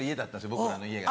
僕らの家が。